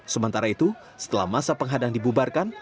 sementara itu setelah masa penghadang dibubarkan